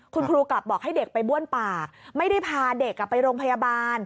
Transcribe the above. คุณครูกลับบอกให้เด็กไปบ้วนปากไม่ได้พาเด็กไปโรงพยาบาล